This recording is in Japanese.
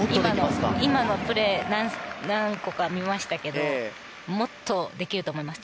今のプレー、何個か見ましたけどもっとできると思います。